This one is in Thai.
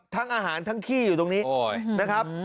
ทั้งอาหารทั้งขี้อยู่ตรงนี้นะครับ